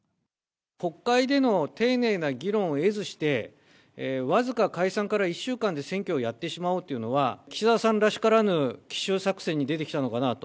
国会での丁寧な議論を経ずして、僅か解散から１週間で選挙をやってしまおうというのは、岸田さんらしからぬ奇襲作戦に出てきたのかなと。